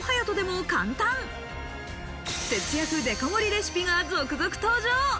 斗でも簡単、節約デカ盛りレシピが続々登場。